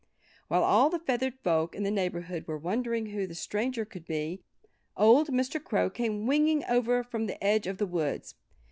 While all the feathered folk in the neighborhood were wondering who the stranger could be old Mr. Crow came winging over from the edge of the woods.